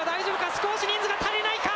少し人数が足りないか。